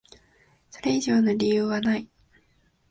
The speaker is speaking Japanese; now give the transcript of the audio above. それ以上の理由はない。